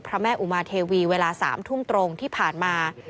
พระแม่อุมาเทวีเวลา๓ทุ่มตรงที่ผ่านมา